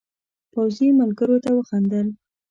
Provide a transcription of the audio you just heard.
پوځي ملګرو ته وخندل.